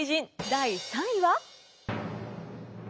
第３位は。